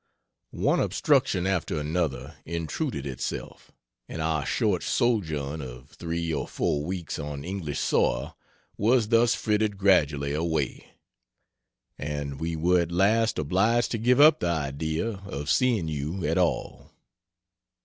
One obstruction after another intruded itself, and our short sojourn of three or four weeks on English soil was thus frittered gradually away, and we were at last obliged to give up the idea of seeing you at all.